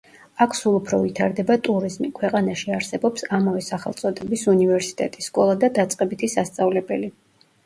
აქ სულ უფრო ვითარდება ტურიზმი, ქვეყანაში არსებობს ამავე სახელწოდების უნივერსიტეტი, სკოლა და დაწყებითი სასწავლებელი.